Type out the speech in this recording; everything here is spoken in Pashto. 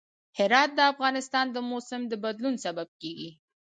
هرات د افغانستان د موسم د بدلون سبب کېږي.